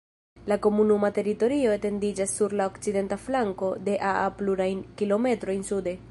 La komunuma teritorio etendiĝas sur la okcidenta flanko de Aa plurajn kilometrojn sude.